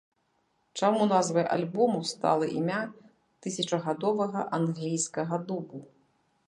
Чаму назвай альбому стала імя тысячагадовага англійскага дубу?